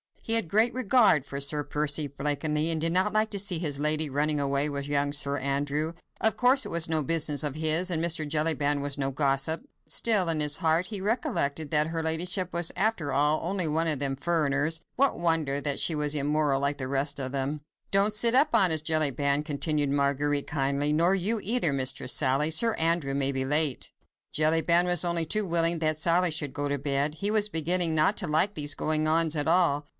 He had great regard for Sir Percy Blakeney, and did not like to see his lady running away with young Sir Andrew. Of course, it was no business of his, and Mr. Jellyband was no gossip. Still, in his heart, he recollected that her ladyship was after all only one of them "furriners"; what wonder that she was immoral like the rest of them? "Don't sit up, honest Jellyband," continued Marguerite, kindly, "nor you either, Mistress Sally. Sir Andrew may be late." Jellyband was only too willing that Sally should go to bed. He was beginning not to like these goings on at all.